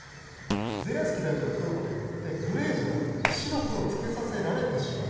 ゼレンスキー大統領が来ることによってグレーじゃなくて白黒つけさせられてしまう。